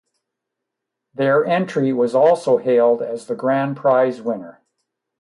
Their entry was also hailed as the Grand Prize winner.